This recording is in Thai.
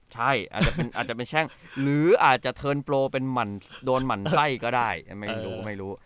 ใช่อาจจะเป็นแช่งหรืออาจจะเทิร์นโปรเป็นโดนหมั่นไส้ก็ได้